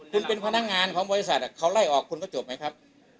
คุณเป็นพนักงานของบริษัทเขาไล่ออกคุณก็จบไหมครับ